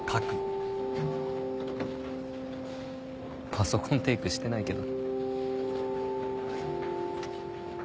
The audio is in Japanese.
パソコンテイクしてないけど。